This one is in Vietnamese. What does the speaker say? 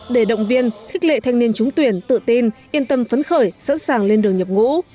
để động viên khích lệ thanh niên trúng tuyển tự tin yên tâm phấn khởi sẵn sàng lên đường nhập ngũ